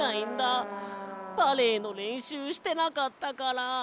バレエのれんしゅうしてなかったから。